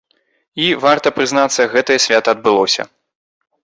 І, варта прызнацца, гэтае свята адбылося.